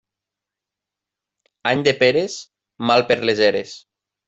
Any de peres, mal per les eres.